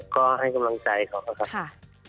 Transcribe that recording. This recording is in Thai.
ก็ให้กำลังใจเขานะครับ